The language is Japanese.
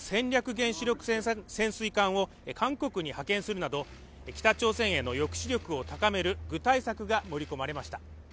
原子力潜水艦を韓国に派遣するなど、北朝鮮への抑止力を高める具体策が盛り込まれました。